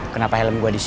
kenapa helm gua disini